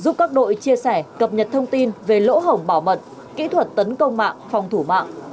giúp các đội chia sẻ cập nhật thông tin về lỗ hỏng bảo mật kỹ thuật tấn công mạng phòng thủ mạng